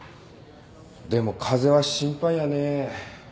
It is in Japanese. でも風邪は心配やね。